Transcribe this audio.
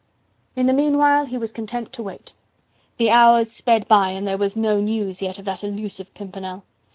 In the meanwhile he was content to wait. The hours sped by and there was no news yet of that elusive Pimpernel.